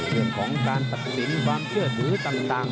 เห็นของการตักศิลป์รังเชื่อถือต่าง